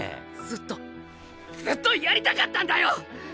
ずっとずっとやりたかったんだよ！